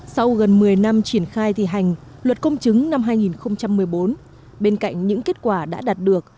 sau gần một mươi năm triển khai thi hành luật công chứng năm hai nghìn một mươi bốn bên cạnh những kết quả đã đạt được